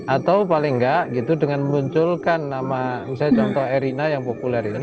atau paling nggak gitu dengan memunculkan nama misalnya contoh erina yang populer ini